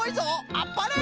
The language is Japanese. あっぱれ！